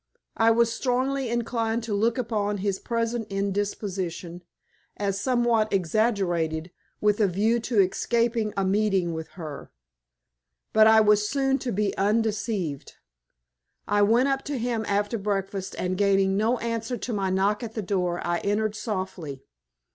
I was strongly inclined to look upon his present indisposition as somewhat exaggerated with a view to escaping a meeting with her. But I was soon to be undeceived. I went up to him after breakfast, and, gaining no answer to my knock at the door, I entered softly.